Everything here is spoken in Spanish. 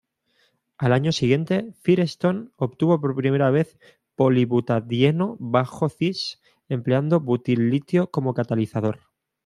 Al año siguiente, Firestone obtuvo por primera vez polibutadieno bajo-cis empleando butil-litio como catalizador.